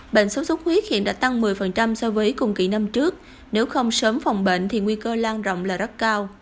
bệnh sốt xuất huyết hiện đã tăng một mươi so với cùng kỳ năm trước nếu không sớm phòng bệnh thì nguy cơ lan rộng là rất cao